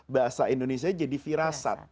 bahasa indonesia jadi firasat